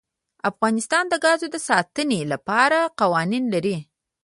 افغانستان د ګاز د ساتنې لپاره قوانین لري.